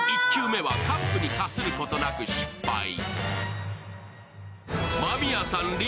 １球目はカップにかすることなく失敗。